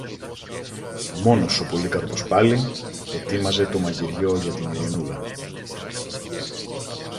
Μόνος ο Πολύκαρπος πάλι ετοίμαζε το μαγειριό για την Ειρηνούλα.